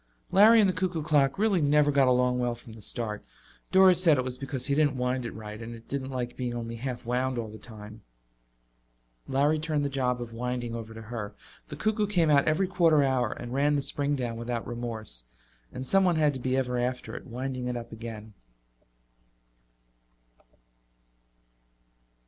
Larry and the cuckoo clock really never got along well from the start. Doris said it was because he didn't wind it right, and it didn't like being only half wound all the time. Larry turned the job of winding over to her; the cuckoo came out every quarter hour and ran the spring down without remorse, and someone had to be ever after it, winding it up again.